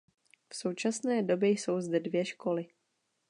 V současné době jsou zde dvě školy.